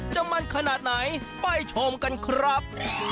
จะมันขนาดไหนไปชมกันครับ